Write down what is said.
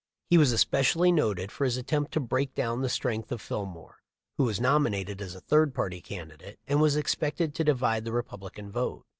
He was especially noted for his attempt to break down the strength of Fillmore, who was nominated as a third party candidate and was expected to divide the Repub lican vote.